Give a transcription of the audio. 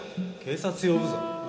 警察呼ぶぞ。